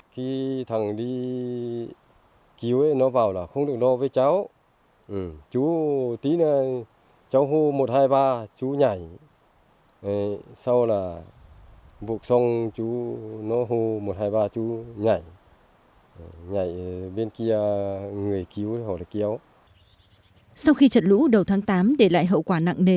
sau khi trận lũ đầu tháng tám để lại hậu quả nặng nề